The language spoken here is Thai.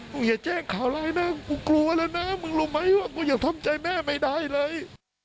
อย่าแจ้งข่าวร้ายนะกูกลัวแล้วนะมึงรู้ไหมว่ากูยังทำใจแม่ไม่ได้เลย